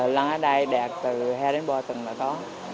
lăng ở đây đẹp từ hai đến ba tuần là có